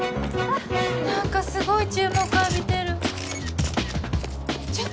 何かすごい注目浴びてるちょっ。